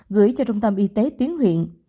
gửi cho trung tâm y tế tiến huyện